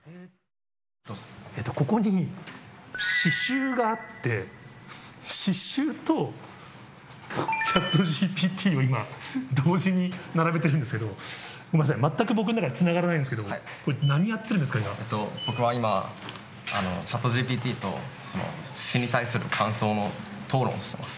ここに詩集があって、詩集とチャットＧＰＴを今、同時に並べてるんですけど、ごめんなさい、全く僕の中でつながらないんですけど、これ、僕は今、チャットＧＰＴと、詩に対する感想の討論をしてます。